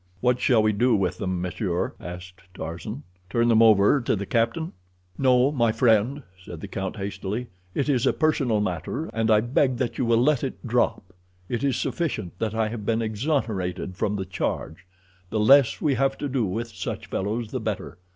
"What shall we do with them, monsieur?" asked Tarzan. "Turn them over to the captain?" "No, my friend," said the count hastily. "It is a personal matter, and I beg that you will let it drop. It is sufficient that I have been exonerated from the charge. The less we have to do with such fellows, the better.